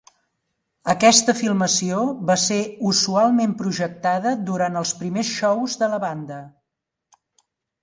Aquesta filmació va ser usualment projectada durant els primers shows de la banda.